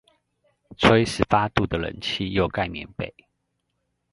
吹十八度的冷氣又蓋棉被